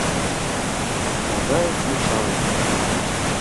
Могай ӱшан?